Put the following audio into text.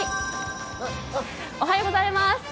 おはようございます。